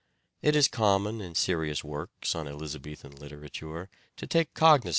It is common in serious works on Elizabethan literature to take cognisance of the * A'o.'